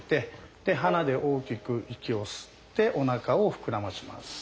鼻で大きく息を吸っておなかを膨らまします。